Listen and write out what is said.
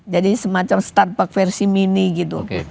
jadi semacam start park versi mini gitu